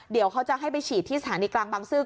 เดี๋ยวเขาจะให้ไปฉีดที่สถานีกลางบางซื่อ